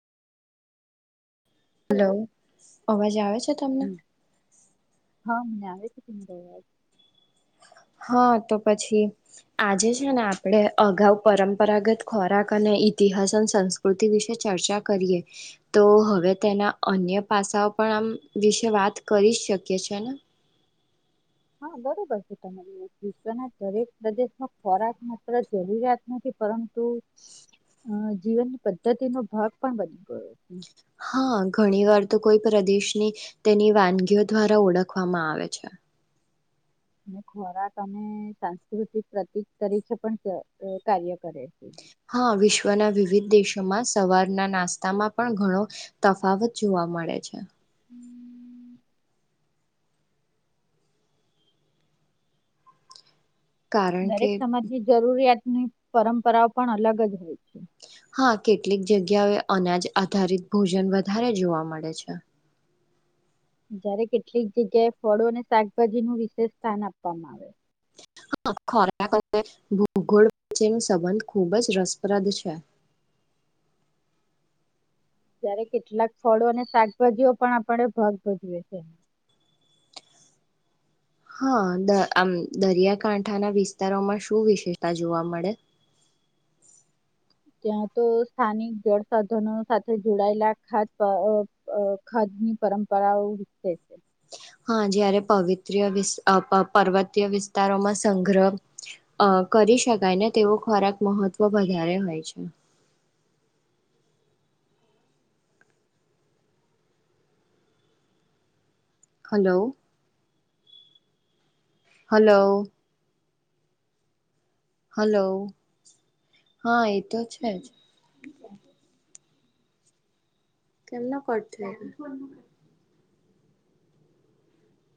Hello. અવાજ આવે છે? તમને હમ્મ. હા. આવે છે કે નહીં અવાજ હા તો પછી આજે છે ને આપણેે અગાઉ પરંપરાગત ખોરાક અને ઈતિહાસ અને સંસ્કૃતિ વિશે ચર્ચા કરીએ. તો હવે તેના અન્ય પાસાઓ પણ આમ વિશે વાત કરી જ શકીએ છે ને હા બરોબર છે ત વિશ્વના દરેક પ્રદેશમાં ખોરાક માત્ર જરૂરિયાત નથી પરંતુ તો જીવન પદ્ધતિનો ભાગ પણ બની ગયો છે. હા ઘણી વાર તો કોઈ પ્રદેશની તેની વાનગીઓ દ્વારા ઓળખવામાં આવે છે. અને ખોરાક સાંસ્કૃતિક પ્રતિક તરીકે પણ કાર્ય કરે છે. હા વિશ્વના વિવિધ દેશોમાં સવારના નાસ્તામાં પણ ઘણો તફાવત જોવા મળે છે. કારણ કે દરેક સમાજની જરૂરિયાત ની પરંપરા પણ અલગ જ હોય છે. હા કેટલીક જગ્યાઓએ અનાજ આધારિત ભોજન વધારે જોવા મળે છે. જયારે કેટલીક જગ્યાએ ફળો અને શાકભાજી નું વિશેષ સ્થાન આપવામાં આવે. હ ખોરાક ભૂગોળ વચ્ચેનો સંબંધ ખૂબ જ રસપ્રદ છે. ત્યારે કેટલાક ફળો અને શાકભાજીઓ પણ આપણે ભાગ ભજવેએ છે. હા આમ દરિયાકાંઠાના વિસ્તારોમાં શું વિશેષતા જોવા મળે. ત્યાં તો સ્થાનિક જળ સાધનો સાથે જોડાયેલા ખદ ખદ ની પરંપરાઓતે છે. હા જયારે પવિત્ર્ય વિ પર્વતીય વિસ્તારોમાં સંગ્રહ કરી શકાય ને તેવો ખોરાક મહત્વ વધારે હોય છે. હલો. હલો. હલો હા એતો છે જ [unintelligible]